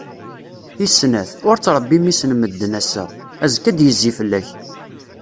Tis snat, ur ttrebbi mmi-s n medden, ass-a, azekka ad d-yezzi fell-ak.